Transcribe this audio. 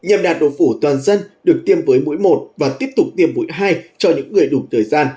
nhằm đạt độ phủ toàn dân được tiêm với mũi một và tiếp tục tiêm mũi hai cho những người đủ thời gian